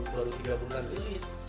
baru tiga bulan rilis